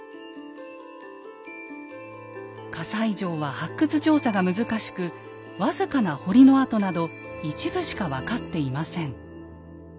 西城は発掘調査が難しく僅かな堀の跡など一部しか分かっていません。